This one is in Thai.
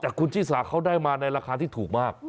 แต่คุณชิสาเขาได้มาในราคาที่ถูกมาก